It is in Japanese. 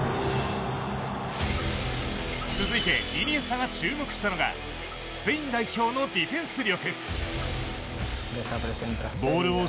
続いてイニエスタが注目したのがスペイン代表のディフェンス力。